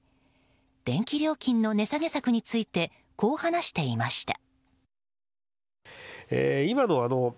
電気料金の値下げ策についてこう話していました。